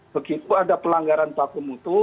begitu ada pelanggaran bakum itu